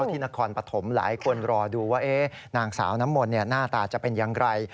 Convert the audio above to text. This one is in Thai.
ที่นครปฐมหลายคนรอดูว่านางสาวน้ำมนต์หน้าตาจะเป็นอย่างไร